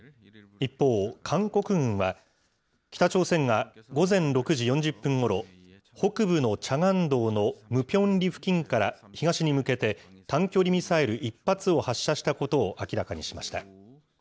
一方、韓国軍は、北朝鮮が午前６時４０分ごろ、北部のチャガン道のムピョンリ付近から東に向けて、短距離ミサイル１発を発射したことを明らかにしました。